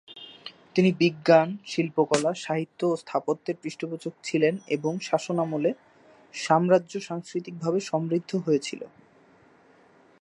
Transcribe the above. তিনি বিজ্ঞান, শিল্পকলা, সাহিত্য ও স্থাপত্যের পৃষ্ঠপোষক ছিলেন এবং তাঁর শাসনামলে সাম্রাজ্য সাংস্কৃতিকভাবে সমৃদ্ধ হয়েছিল।